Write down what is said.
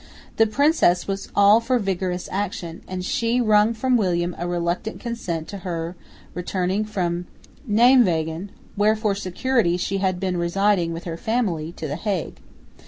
The princess was all for vigorous action, and she wrung from William a reluctant consent to her returning from Nijmwegen, where for security she had been residing with her family, to the Hague.